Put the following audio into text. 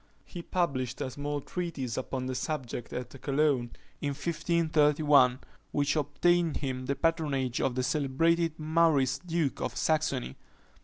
He published a small treatise upon the subject at Cologne, in 1531, which obtained him the patronage of the celebrated Maurice duke of Saxony.